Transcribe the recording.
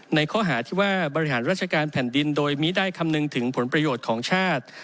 ในข้อหาที่ว่าบริหารราชการแผ่นดินโดยมิได้คำนึงถึงผลประโยชน์ของชาติ